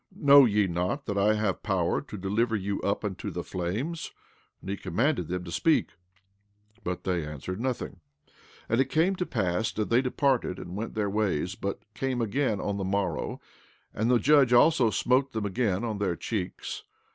Know ye not that I have power to deliver you up unto the flames? And he commanded them to speak; but they answered nothing. 14:20 And it came to pass that they departed and went their ways, but came again on the morrow; and the judge also smote them again on their cheeks.